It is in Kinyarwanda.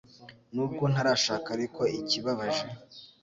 nubwo ntarashaka ariko ikibabaje